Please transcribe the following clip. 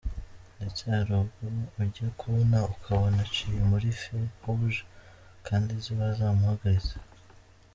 Ndetse hari ubwo ujya kubona ukabona aciye muri “feux rouge” kandi ziba zamuhagaritse.